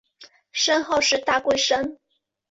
山号是大龟山。